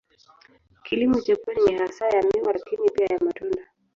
Kilimo cha pwani ni hasa ya miwa lakini pia ya matunda.